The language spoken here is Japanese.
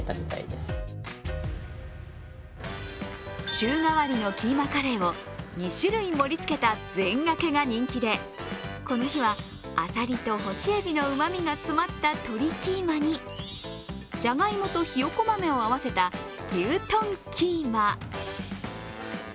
週替わりのキーマカレーを２種類盛りつけた、ぜんがけが人気でこの日はあさりと干しえびのうまみが詰まった鶏キーマにじゃがいもとひよこ豆を合わせた牛豚キーマ。